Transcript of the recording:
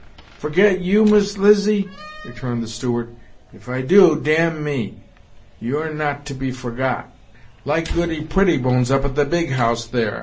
"Forget you, Miss Lizzy?" returned the steward; "if I do, dam'me; you are not to be forgot, like Goody Pretty bones, up at the big house there.